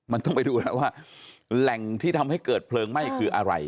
มันต้องไปดูแล้วว่าแหล่งที่ทำให้เกิดเพลิงไหม้คืออะไร